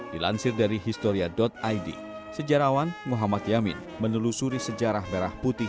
dilansir dari historia id sejarawan muhammad yamin menelusuri sejarah merah putih